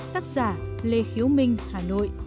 tác giả lê khiếu minh hà nội